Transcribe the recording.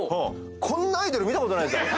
こんなアイドル見たことないじゃん。